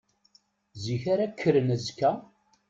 Zik ara kkren azekka?